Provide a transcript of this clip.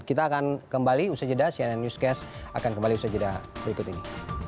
kita akan kembali usai jedah cnn newscast akan kembali usai jedah berikut ini